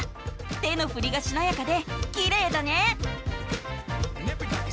手のふりがしなやかできれいだね。